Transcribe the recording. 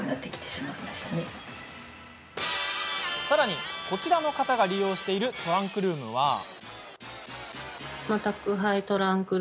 さらに、こちらの方が利用しているトランクルームは。